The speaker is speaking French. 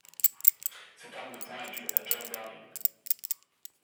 Cette arme de poing est due à John Browning.